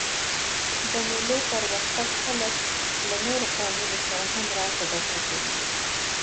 د مېلو پر وخت خلک له نورو قومونو سره هم راسه درسه کوي.